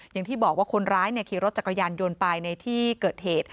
อย่างที่บอกว่าคนร้ายขี่รถจักรยานยนต์ไปในที่เกิดเหตุ